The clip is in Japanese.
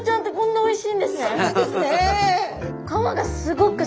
おいしい。